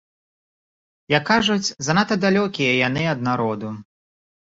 Як кажуць, занадта далёкія яны ад народу.